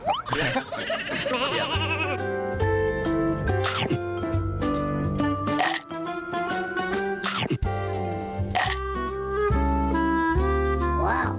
สุดมากนอกจากอาหารเพราะอร่อยแล้ว